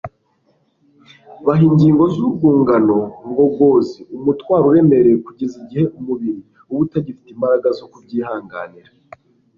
baha ingingo z'urwungano ngogozi umutwaro uremereye kugeza igihe umubiri uba utagifite imbaraga zo kubyihanganira